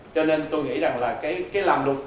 cho nên tôi nghĩ rằng là cái làm luật